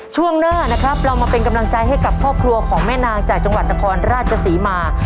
ช่วงหน้านะครับเรามาเป็นกำลังใจให้กับครอบครัวของแม่นางจากจังหวัดนครราชศรีมา